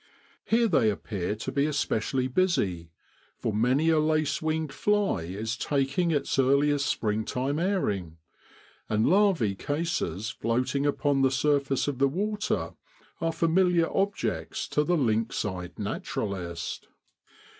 Here they appear to be especi ally busy, for many a lace winged fly is taking its earliest springtime airing; and larvae cases floating upon the surface of the water are familiar objects to the lynx eyed naturalist.